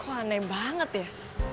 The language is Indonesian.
kok aneh banget ya